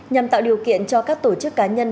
nhằm tạo điều kiện cho các tổ chức cá nhân